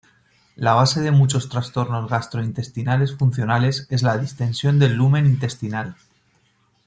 La base de muchos trastornos gastrointestinales funcionales es la distensión del lumen intestinal.